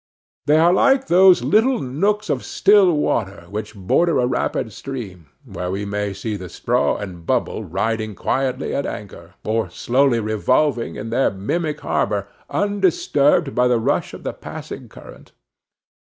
They are like those little nooks of still water, which border a rapid stream, where we may see the straw and bubble riding quietly at anchor, or slowly revolving in their mimic harbor, undisturbed by the rush of the passing current.